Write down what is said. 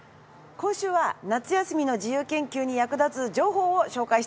今週は夏休みの自由研究に役立つ情報を紹介しています。